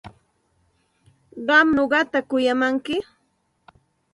¿Qam nuqata kuyamanki?